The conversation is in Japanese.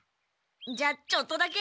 じゃあちょっとだけ。